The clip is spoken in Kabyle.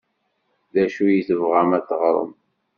D acu i tebɣam ad teɣṛem?